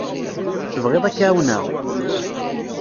Tebɣiḍ ad k-ɛawneɣ?